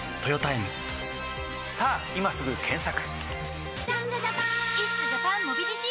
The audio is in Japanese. さぁ今すぐ検索！